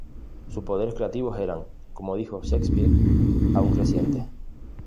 Sus poderes creativos eran, como dijo Shakespeare, aún crecientes.